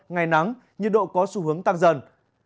ngày nắng nhiệt độ có xu hướng tăng dần